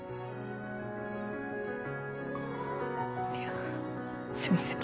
いやすいません